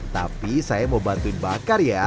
tapi saya mau bantuin bakar ya